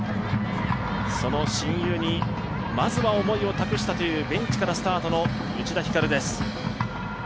その親友にまずは思いを託したというベンチからスタートの内田光です。